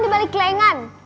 dibalik ke lengan